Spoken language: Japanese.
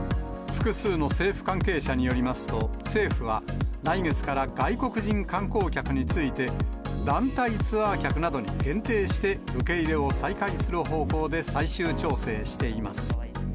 複数の政府関係者によりますと、政府は、来月から外国人観光客について、団体ツアー客などに限定して、受け入れを再開する方向で最終調整しています。